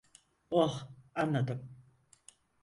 Oh, anladım.